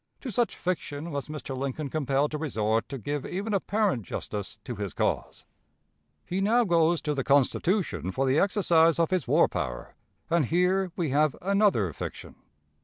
To such fiction was Mr. Lincoln compelled to resort to give even apparent justice to his cause. He now goes to the Constitution for the exercise of his war power, and here we have another fiction.